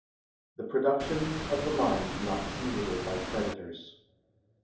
] THE PRODUCTIONS OF THE MIND NOT SEIZABLE BY CREDITORS.